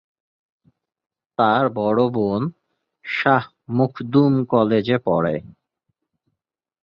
তার বড় বোন শাহ মখদুম কলেজে পড়ে।